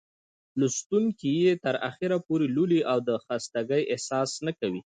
لوستونکى يې تر اخره پورې لولي او د خستګۍ احساس نه کوي.